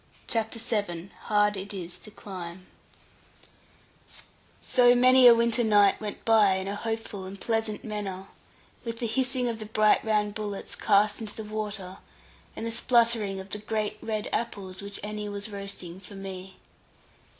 CHAPTER VII HARD IT IS TO CLIMB So many a winter night went by in a hopeful and pleasant manner, with the hissing of the bright round bullets, cast into the water, and the spluttering of the great red apples which Annie was roasting for me.